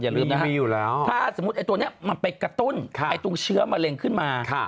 ลืมนะครับถ้าสมมุติไอ้ตัวนี้มันไปกระตุ้นตรงเชื้อมะเร็งขึ้นมา